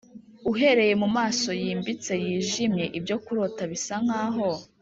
uhereye mumaso yimbitse, yijimye, ibyo kurota bisa nkaho,